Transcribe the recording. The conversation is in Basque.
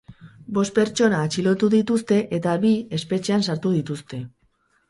Bost pertsona atxilotu dituzte, eta bi espetxean sartu dituzte.